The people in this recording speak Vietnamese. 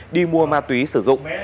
đi mua ma túy sử dụng